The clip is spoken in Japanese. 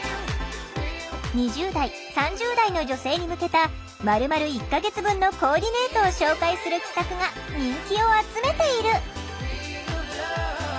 ２０代３０代の女性に向けたまるまる１か月分のコーディネートを紹介する企画が人気を集めている。